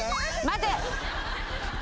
待て。